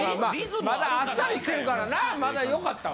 まだあっさりしてるからなまだ良かったわ。